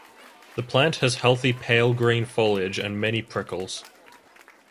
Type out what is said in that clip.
The plant has healthy pale green foliage and many prickles.